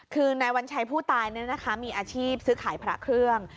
คือนายวัญชัยผู้ตายมีอาชีพซื้อขายพระเครื่อง